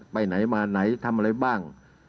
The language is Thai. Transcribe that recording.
ไปไหนมาไหนทำอะไรบ้าง